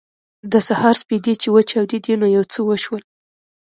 د سهار سپېدې چې وچاودېدې نو یو څه وشول